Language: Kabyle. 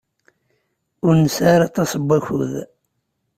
Ur nesɛi aṭas n wakud.